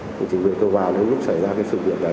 thì chỉ việc tôi vào lúc xảy ra cái sự việc đấy